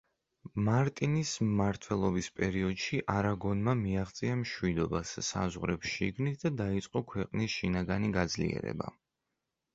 მარტინის მმართველობის პერიოდში არაგონმა მიაღწია მშვიდობას საზღვრებს შიგნით და დაიწყო ქვეყნის შინაგანი გაძლიერება.